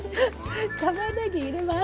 たまねぎ入れます。